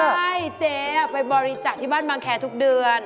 ใช่เจ๊ไปบริจาคที่บ้านบางแคร์ทุกเดือน